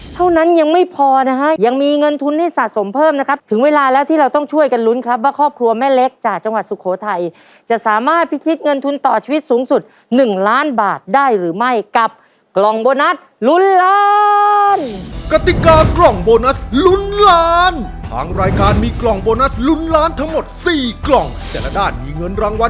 เท่านั้นยังไม่พอนะฮะยังมีเงินทุนให้สะสมเพิ่มนะครับถึงเวลาแล้วที่เราต้องช่วยกันลุ้นครับว่าครอบครัวแม่เล็กจากจังหวัดสุโขทัยจะสามารถพิชิตเงินทุนต่อชีวิตสูงสุดหนึ่งล้านบาทได้หรือไม่กับกล่องโบนัสลุ้นล้านกติกากล่องโบนัสลุ้นล้านทางรายการมีกล่องโบนัสลุ้นล้านทั้งหมดสี่กล่องแต่ละด้านมีเงินรางวัล